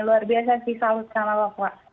luar biasa sih salut sama papua